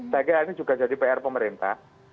saya kira ini juga jadi pr pemerintah